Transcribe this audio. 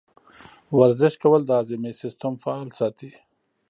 ورزش کول د هاضمې سیستم فعال ساتي.